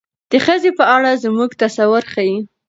د ښځې په اړه زموږ تصور ښيي.